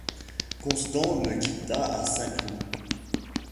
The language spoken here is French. Constant me quitta à Saint-Cloud.